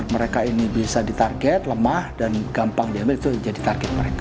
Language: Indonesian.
mereka ini bisa ditarget lemah dan gampang diambil itu jadi target mereka